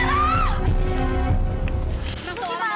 ini faktor suksesnya